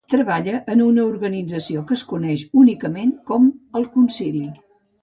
Treballa en una organització que es coneix únicament com "El Concili".